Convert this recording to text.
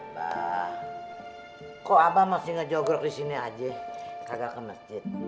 mbak kok abah masih ngejogrok di sini aja tidak ke masjid